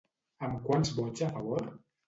Amb quants vots a favor?